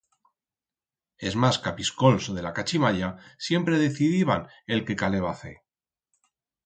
Es mas capiscols de la cachimalla siempre decidiban el que caleba fer.